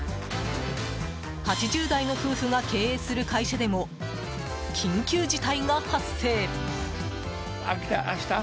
８０代の夫婦が経営する会社でも緊急事態が発生。